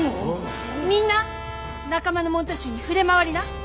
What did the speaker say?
みんな仲間の門徒衆に触れ回りな！